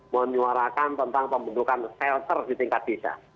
menyuarakan tentang pembentukan shelter di tingkat desa